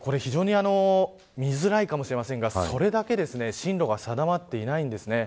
見づらいかもしれませんがそれだけ進路が定まっていないんです。